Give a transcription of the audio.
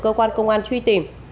cơ quan công an truy tìm